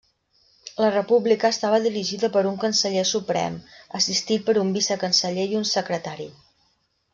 La república estava dirigida per un canceller suprem; assistit per un vicecanceller i un secretari.